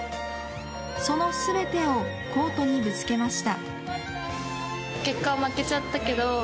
その全てをコートにぶつけました。